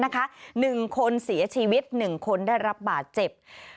๑คนเสียชีวิต๑คนได้รับบาดเจ็บ